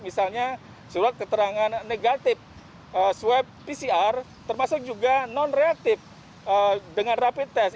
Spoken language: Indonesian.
misalnya surat keterangan negatif swab pcr termasuk juga non reaktif dengan rapid test